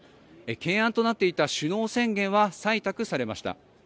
懸案となっていた首脳宣言は採択されました。